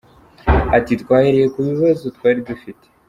Ati: “Twahereye ku bibazo twari dufite.